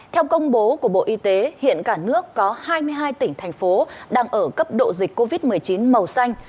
theo công bố của bộ y tế hiện cả nước có hai mươi hai tỉnh thành phố đang ở cấp độ dịch covid một mươi chín màu xanh